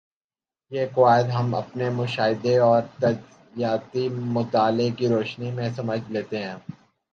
یہ قواعد ہم اپنے مشاہدے اور تجزیاتی مطالعے کی روشنی میں سمجھ لیتے ہیں